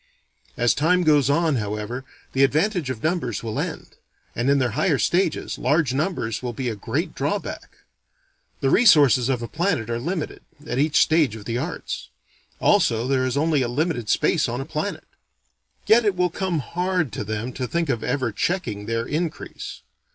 As time goes on, however, the advantage of numbers will end; and in their higher stages, large numbers will be a great drawback. The resources of a planet are limited, at each stage of the arts. Also, there is only a limited space on a planet. Yet it will come hard to them to think of ever checking their increase.